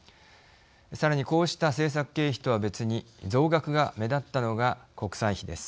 さらにこうした政策経費とは別に増額が目立ったのが国債費です。